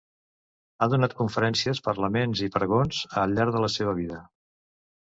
Ha donat conferències, parlaments i pregons, al llarg de la seva vida.